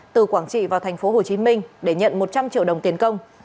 từ quảng trị vào tp hcm để nhận một trăm linh triệu đồng tiền công